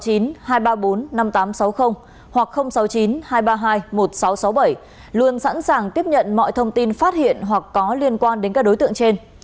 cơ quan công an sáu mươi chín hai trăm ba mươi bốn năm nghìn tám trăm sáu mươi hoặc sáu mươi chín hai trăm ba mươi hai một nghìn sáu trăm linh luôn sẵn sàng tiếp nhận mọi thông tin phát hiện hoặc có liên quan đến các đối tượng trên